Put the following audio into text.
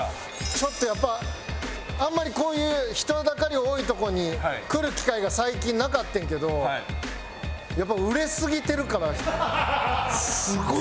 ちょっとやっぱあんまりこういう人だかり多いとこに来る機会が最近なかってんけどやっぱ売れすぎてるからすごい。